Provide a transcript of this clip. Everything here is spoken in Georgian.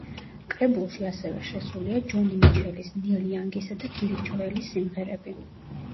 კრებულში ასევე შესულია ჯონი მიჩელის ნილ იანგისა და ბილი ჯოელის სიმღერები.